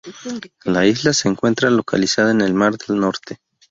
La isla se encuentra localizada en el mar del Norte.